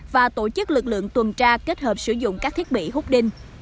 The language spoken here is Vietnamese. và tổ chức lực lượng tuần tra kết hợp sử dụng các thiết bị hút đinh